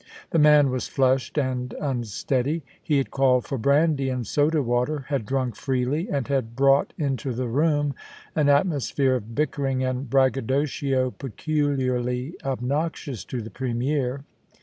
The man was flushed and unsteady. He had called for brandy and soda water, had drunk freely, and had brought into the room an atmosphere of bickering and braggadocio peculiarly obnoxious to the Premier.